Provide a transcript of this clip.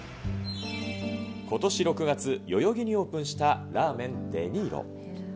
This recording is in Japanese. ことし６月、代々木にオープンした、ラーメンデニーロ。